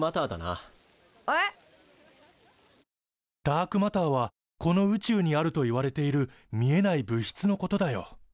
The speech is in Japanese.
ダークマターはこの宇宙にあるといわれている見えない物質のことだよ。